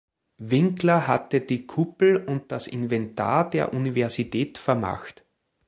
Winkler hatte die Kuppel und das Inventar der Universität vermacht.